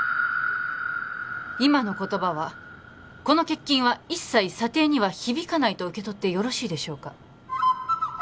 今の言葉はこの欠勤は一切査定には響かないと受け取ってよろしいでしょうか